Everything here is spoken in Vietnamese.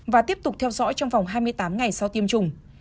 và tiếp tục theo dõi trong vòng hai mươi tám ngày sau tiêm chủng